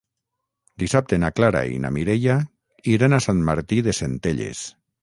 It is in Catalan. Dissabte na Clara i na Mireia iran a Sant Martí de Centelles.